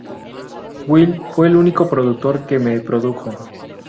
Will fue el único productor que me produjo.